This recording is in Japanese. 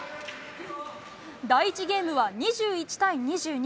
第１ゲームは、２１対２２。